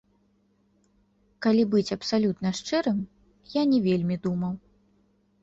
Калі быць абсалютна шчырым, я не вельмі думаў.